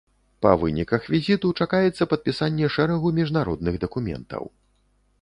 Па выніках візіту чакаецца падпісанне шэрагу міжнародных дакументаў.